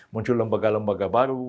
muncul lembaga lembaga baru